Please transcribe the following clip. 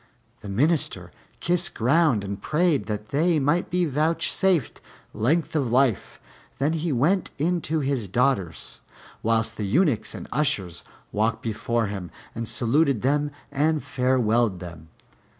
The Minister kissed ground and prayed that they might be vouchsafed length of life: then he went in to his daughters, whilst the Eunuchs and Ushers walked before him, and saluted them and farewelled them.